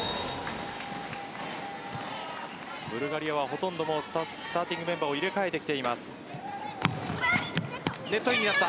ブルガリアは、ほとんどスターティングメンバーを入れ替えてきています。